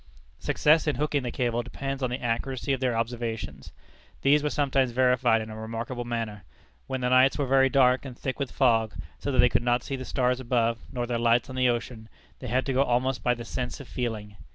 Success in hooking the cable depends on the accuracy of their observations. These were sometimes verified in a remarkable manner. When the nights were very dark and thick with fog, so that they could not see the stars above nor their lights on the ocean, they had to go almost by the sense of feeling.